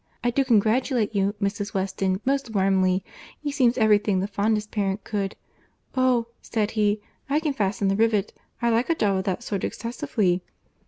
I do congratulate you, Mrs. Weston, most warmly. He seems every thing the fondest parent could.... 'Oh!' said he, 'I can fasten the rivet. I like a job of that sort excessively.